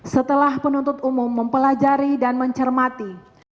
setelah penuntut umum mempelajari dan mencermati